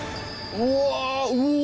うわうお！